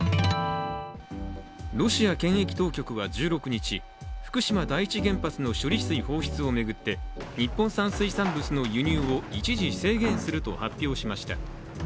ロシア検疫当局は１６日福島第一原発の処理水放出を巡って日本産水産物の輸入を一時制限すると発表しました。